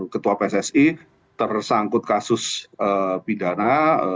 ketua pssi tersangkut kasus pidana